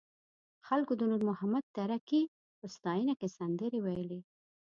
خلکو د نور محمد تره کي په ستاینه کې سندرې ویلې.